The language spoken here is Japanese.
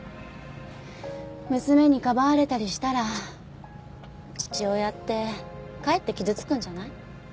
娘にかばわれたりしたら父親ってかえって傷つくんじゃない？